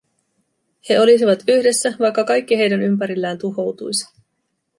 He olisivat yhdessä, vaikka kaikki heidän ympärillään tuhoutuisi.